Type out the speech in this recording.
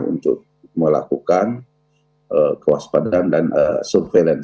untuk melakukan kewaspadaan dan surveillance